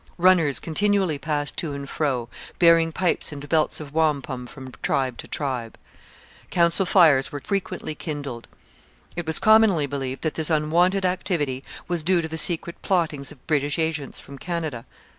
Runners continually passed to and fro, bearing pipes and belts of wampum from tribe to tribe. Council fires were frequently kindled. It was commonly believed that this unwonted activity was due to the secret plottings of British agents from Canada.